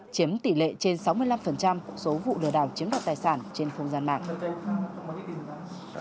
chiếm tỷ lệ trên sáu mươi năm số vụ lừa đảo chiếm đoạt tài sản trên không gian mạng